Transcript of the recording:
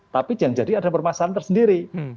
tapi jangan jadi ada permasalahan tersendiri